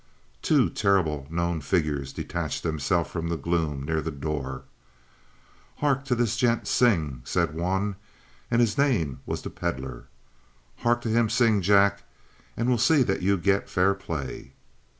Two terrible, known figures detached themselves from the gloom near the door. "Hark to this gent sing," said one, and his name was the Pedlar. "Hark to him sing, Jack, and we'll see that you get fair play."